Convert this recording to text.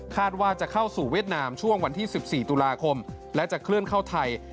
ว่าจะเข้าสู่เวียดนามช่วงวันที่๑๔ตุลาคมและจะเคลื่อนเข้าไทย